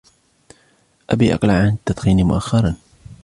أبي اقلع عن التدخين مؤخرا